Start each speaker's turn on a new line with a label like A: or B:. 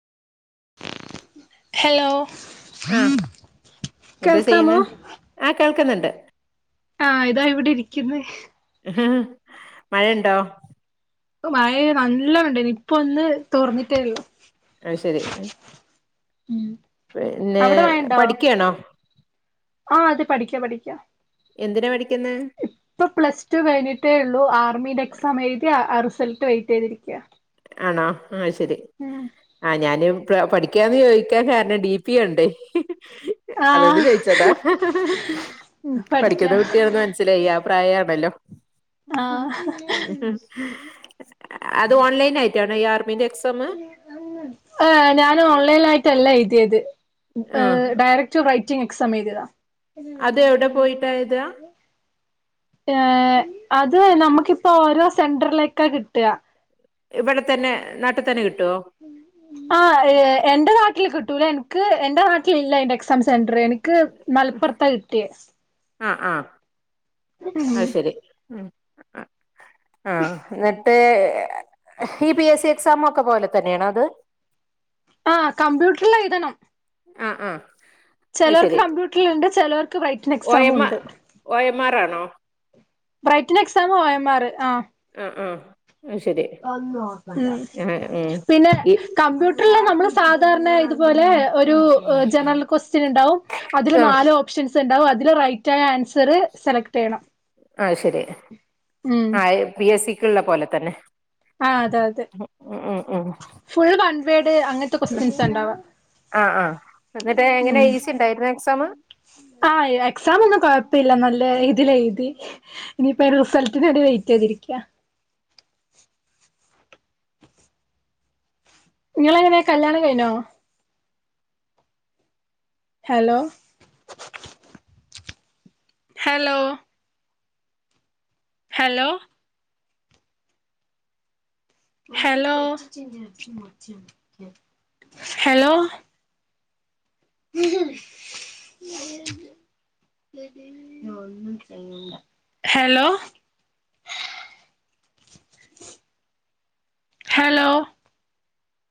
A: Hello.
B: ആഹ് എന്താ
A: കേൾക്കാമോ.
B: ചെയ്യുന്നെ ആഹ് കേൾക്ന്ന്ണ്ട്.
A: ആഹ് ഇതാ ഇവിടെ ഇരിക്കുന്ന്.
B: മഴണ്ടോ?
A: മയെ നല്ലൊണ്ടായ്നി ഇപ്പ ഒന്ന് തോർന്നിട്ടേ ഉള്ളൂ.
B: ഐശെരി
A: ഉം
B: പിന്നെ
A: അവിടെ മഴണ്ടോ
B: പഠിക്ക്യാണോ.
A: ആഹ് അതെ പഠിക്ക്യ പഠിക്ക്യ
B: എന്തിനാ പഠിക്ക്യ്ന്നെ.
A: പ്പൊ പ്ലസ് ടു കഴിഞ്ഞിട്ടേ ള്ളൂ ആർമിടെ എക്സാം എഴുതി ആ റിസൾട്ട് വെയ്റ്റയ്തിരിക്കാ.
B: ആണോ ആഹ്ശെരി. ആഹ് ഞാനും പഠിക്കാന്ന് ചോദിക്കാൻ കാരണം, ഡി പി കണ്ടേ അതേണ്ട്
A: ആഹ്
B: ചോയിച്ചതാ ഉം
A: പഠിക്കാ
B: പഠിക്കുന്ന കുട്ടിയാന്ന് മനസ്സിലായി. ആ പ്രായാണല്ലോ.
A: ആഹ്
B: അത് ഓൺലൈനായി റ്റാണോ ഈ ആർമിൻ്റെ എക്സ്
A: ഏഹ് ഞാൻ ഓൺലൈൻലായിട്ടല്ല എഴുതിയത്
B: ആഹ്
A: ഏഹ് ഡയറക് റ്റു റൈറ്റിംഗ് എക്സാമെയ്തിയതാ.
B: അത് എവിടെ പോയിട്ടാ എഴ്താ?
A: ഏഹ് അത് നമക്കിപ്പോ ഓരോ സെന്ററിലേക്കാ കിട്ടാ.
B: ഇവടെ തന്നെ നാട്ട് തന്നെ കിട്ടോ?
A: ആഹ് ഏ എന്റെ നാട്ടിൽ കിട്ടൂല എൻക്ക് എന്റെ നാട്ടിൽ ഇല്ല എയ്ന്റെ എക്സാം സെന്റർ. എൻക്ക് മൽപ്പൊർത്താ കിട്ടിയെ.
B: ആഹ് ആഹ് അയ്ശെരി ഉം ആഹ് ന്ന ട്ട് ഈ പി എസ് സി എക്സാം ഒക്കെ പോല തന്നെയാണോ അത്?
A: ആഹ് കമ്പ്യൂട്ടർല് എഴുതണം.
B: അഹ് ആഹ് അത്
A: ചെലോർക്ക്
B: ശരി
A: കമ്പ്യൂട്ടറില്ണ്ട് ചെലോർക്ക് വ്‌റൈറ്റനെക്സാമുണ്ട്.
B: ഒ എം ആർ ആണോ?
A: ബ്രൈറ്റനെക്സാം ഒ എം ആർ ആഹ്
B: ആഹ് ആഹ്. അത് ശരി
A: ഉം
B: ആഹ് ഉം
A: പിന്നെ
B: ഈ
A: കമ്പ്യൂട്ടർല് നമ്മള് സാധാരണ ഇതുപോലെ ഒരു ജെനെറൽ ക്വസ്റ്റ്യൻ ഇണ്ടാവും അതില്
B: ആഹ്
A: നാലോ പ്ഷെൻസ് ണ്ടാവും അതില് റൈറ്റായ ആൻസറ് സെലക്ടയ്യണം.
B: അയ്ശെരി. അയ് പി എസ് സി ക്കുള്ള പോലെതന്നെ.
A: ആഹ് അതെ അതെ. ഫുൾ വൺവേഡ് അങ്ങൻത്തെ ക്വസ്റ്റ്യൻസാ ഇണ്ടാവാ.
B: ആഹ് ആഹ്. എന്നിട്ട് എങ്ങനെ ഈസിണ്ടായിരുന്നോ എക്സാമ്?
A: ആഹ് എക്സാമൊന്നും കൊഴപ്പില്ല നല്ല ഇതിലെഴുതി. ഇനിപ്പയ്ൻ്റെ റിസൾട്ടിന് വേണ്ടി വെയ്റ്റെയ്തിരിക്കാ. ഇങ്ങളെങ്ങനെ കല്ല്യാണം കഴിഞ്ഞോ? Hello! Hello. Hello. Hello.. hello.. [inaudible] hello hello